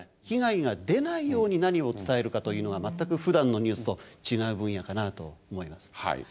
被害が出ないように何を伝えるかというのが全くふだんのニュースと違う分野かなと思います。